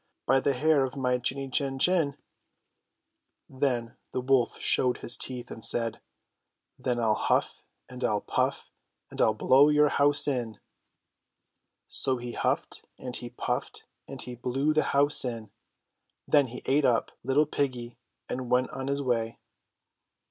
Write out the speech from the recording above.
by the hair of my chinny chin chin!" 172 THE THREE LITTLE PIGS Then the wolf showed his teeth and said :Then Vll huff and Vll puff and I'll blow your house in.'* 173 So he huffed and he puffed and he blew the house in. Then he ate up little piggy and went on his way.